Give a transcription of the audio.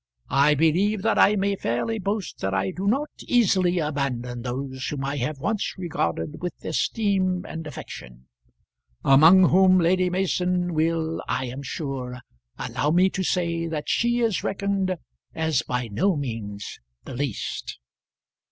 I believe that I may fairly boast that I do not easily abandon those whom I have once regarded with esteem and affection; among whom Lady Mason will, I am sure, allow me to say that she is reckoned as by no means the least."